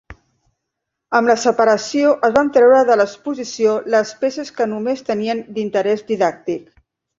Amb la separació, es van treure de l'exposició les peces que només tenien interès didàctic.